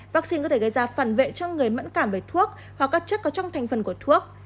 vaccine có thể gây ra phản vệ cho người mẫn cảm về thuốc hoặc các chất có trong thành phần của thuốc